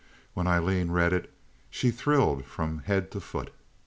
When Aileen read it she thrilled from head to foot.